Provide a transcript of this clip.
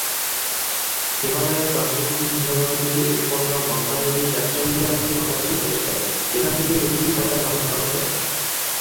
হিমালয়ের গঙ্গোত্রী হিমবাহ থেকে উৎপন্ন গঙ্গা নদী রাজশাহী জেলা দিয়ে বাংলাদেশে প্রবেশ করে, এখান থেকে নদীটি পদ্মা নাম ধারণ করেছে।